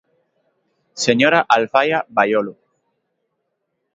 Señora Alfaia Baiolo.